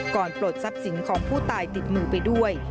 ปลดทรัพย์สินของผู้ตายติดมือไปด้วย